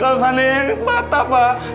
kaosannya batah pak